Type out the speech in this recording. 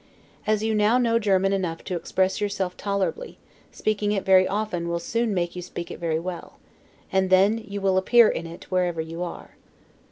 As you now know German enough to express yourself tolerably, speaking it very often will soon make you speak it very well: and then you will appear in it whatever you are.